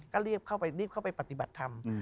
ก็รีบเข้าไปปฏิบัติธรรม